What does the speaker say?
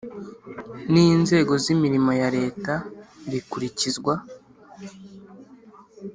n inzego z imirimo ya Leta rikurikizwa